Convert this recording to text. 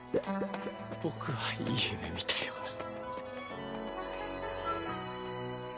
僕はいい夢見たような。